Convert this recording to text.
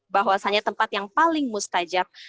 bahwasannya tempat yang paling mustajab